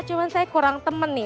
cuma saya kurang temen nih